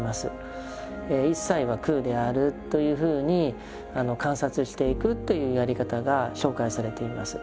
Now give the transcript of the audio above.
「いっさいは空である」というふうに観察していくというやり方が紹介されています。